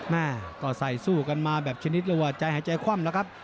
แม่ก็ใส่สู้กันมาแบบชนิดเรียกว่าใจหายใจคว่ำแล้วครับ